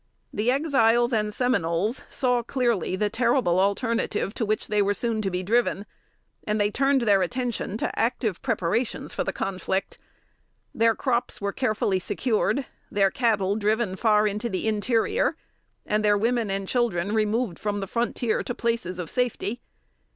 The Exiles and Seminoles saw clearly the terrible alternative to which they were soon to be driven, and they turned their attention to active preparations for the conflict. Their crops were carefully secured; their cattle driven far into the interior; and their women and children removed from the frontier to places of safety.